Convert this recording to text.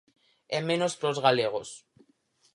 E menos prós galegos.